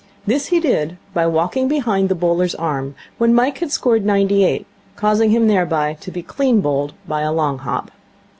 This he did by walking behind the bowler's arm when Mike had scored ninety eight, causing him thereby to be clean bowled by a long hop.